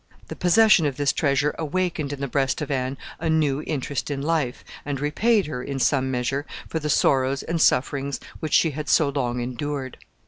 The possession of this treasure awakened in the breast of Anne a new interest in life, and repaid her, in some measure, for the sorrows and sufferings which she had so long endured.